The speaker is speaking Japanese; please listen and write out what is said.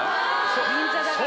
銀座だから。